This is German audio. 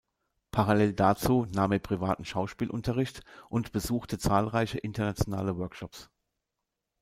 Parallel dazu nahm er privaten Schauspielunterricht und besuchte zahlreiche internationale Workshops.